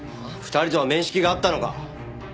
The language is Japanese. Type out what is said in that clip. ２人とは面識があったのか？